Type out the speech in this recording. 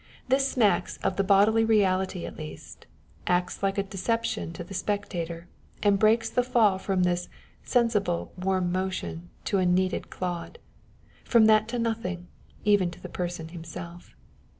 This smacks of the bodily reality at leastâ€" acts like a deception to the spectator, and breaks the fall from this " sensible, warm motion to a kueaded clod ": â€" from that to nothing â€" even to the person himself.